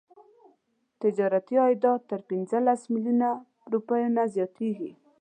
تجارتي عایدات تر پنځلس میلیونه روپیو نه زیاتیږي.